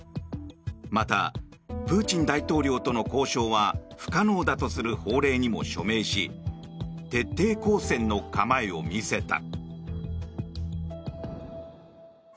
また、プーチン大統領との交渉は不可能だとする法令にも署名し徹底抗戦の構えを見せた。